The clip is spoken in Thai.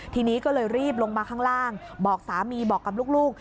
ทีนี้ก็เลยรีบลงมาข้างล่างบอกสามีบอกกับลูก